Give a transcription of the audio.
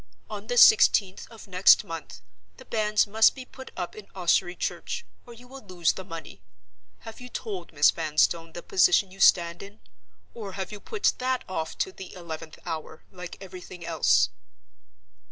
On the sixteenth of next month the Banns must be put up in Ossory church, or you will lose the money. Have you told Miss Vanstone the position you stand in? Or have you put that off to the eleventh hour, like everything else?"